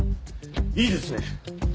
いいですね？」